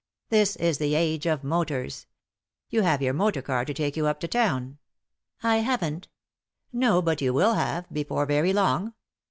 This is the age of motors. You have your motor car to take you up to town." "I haven't" "No, but you will have, before very long."